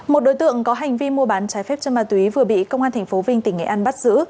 một đối tượng có hành vi mua bán trái phép chân ma túy vừa bị công an thành phố vinh tỉnh nghệ an bắt giữ